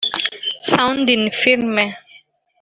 (Sound in film)